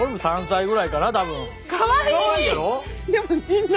かわいいやろ。